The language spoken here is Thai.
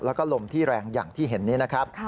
แล้วก็ลมที่แรงอย่างที่เห็นนี้นะครับ